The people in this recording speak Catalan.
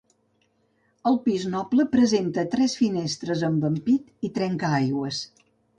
El pis noble presenta tres finestres amb ampit i trencaaigües.